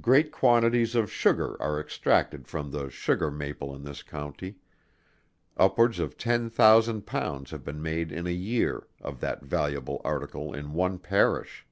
Great quantities of sugar are extracted from the sugar maple in this county, upwards of ten thousand pounds have been made in a year, of that valuable article in one Parish.